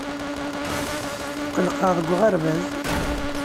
Tqelliqeɣ deg uɣerbaz.